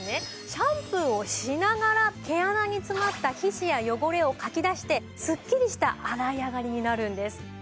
シャンプーをしながら毛穴に詰まった皮脂や汚れをかき出してスッキリした洗い上がりになるんです。